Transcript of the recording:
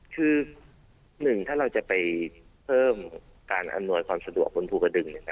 คือ๑ถ้าเราจะไปเพิ่มการอำนวยความสะดวกบนภูกระดึง